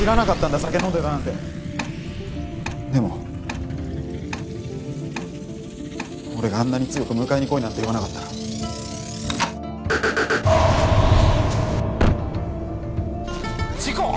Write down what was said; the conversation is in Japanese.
酒飲んでたなんてでも俺があんなに強く迎えに来いなんて言わなかったら事故！？